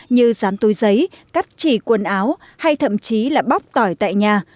như dán túi giấy cắt chỉ quần áo hay thậm chí là bóc tỏi tại nhà